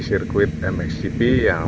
sirkuit mx gp yang